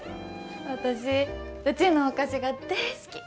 私うちのお菓子が大好き。